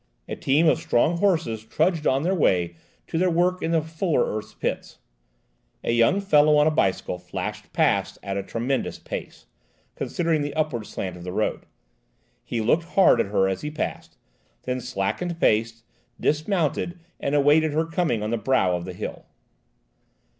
A team of strong horses trudged by on their way to their work in the fuller's earth pits. A young fellow on a bicycle flashed past at a tremendous pace, considering the upward slant of the road. He looked hard at her as he passed, then slackened pace, dismounted, and awaited her coming on the brow of the hill.